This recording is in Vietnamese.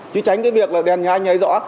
chứ tránh cái việc là đèn cho anh ấy rõ